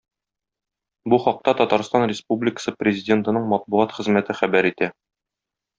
Бу хакта Татарстан Республикасы Президентының матбугат хезмәте хәбәр итә.